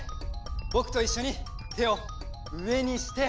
ぼくといっしょにてをうえにして。